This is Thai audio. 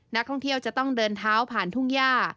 นักท่องเที่ยวจะต้องเดินเท้าผ่านทุ่งย่า